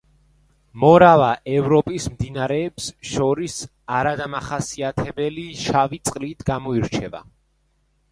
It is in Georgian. მორავა ევროპის მდინარეებს შორის არადამახასიათებელი შავი წყლით გამოირჩევა.